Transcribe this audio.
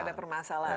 tidak ada permasalahan